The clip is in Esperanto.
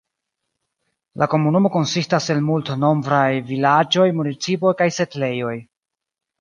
La komunumo konsistas el multnombraj vilaĝoj, municipoj kaj setlejoj.